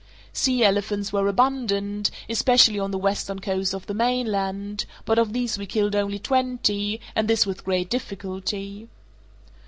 Sea elephants were abundant, especially on the western coast of the mainland, but of these we killed only twenty, and this with great difficulty.